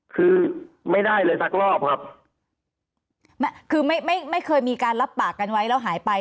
คือไม่ได้เลยสักรอบครับไม่คือไม่ไม่ไม่เคยมีการรับปากกันไว้แล้วหายไป